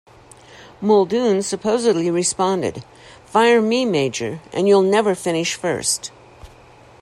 Muldoon supposedly responded, Fire me, Major, and you'll never finish first.